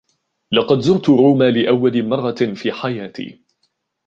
لقد زرت روما لأول مرة في حياتي.